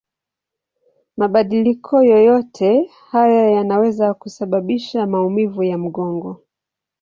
Mabadiliko yoyote haya yanaweza kusababisha maumivu ya mgongo.